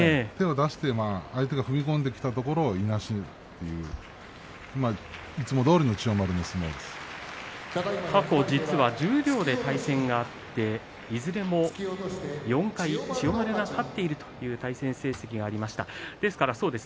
相手が踏み込んできたところをいなしていくという過去十両で対戦があっていずれも４回、千代丸が勝っているという対戦成績がありました。